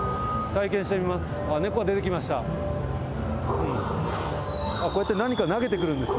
体験してみます。